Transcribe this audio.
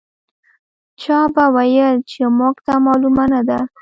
چا به ویل چې موږ ته معلومه نه ده.